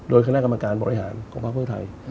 โดยคณะกรรมการบริหารของภาคเพื่อไทย